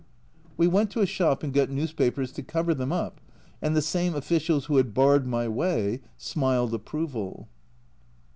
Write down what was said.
We went to a shop and got newspapers to cover them up, and the same officials who had barred my way smiled approval